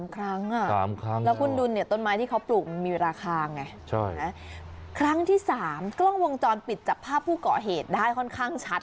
ครั้งแล้วคุณดูเนี่ยต้นไม้ที่เขาปลูกมันมีราคาไงครั้งที่๓กล้องวงจรปิดจับภาพผู้เกาะเหตุได้ค่อนข้างชัด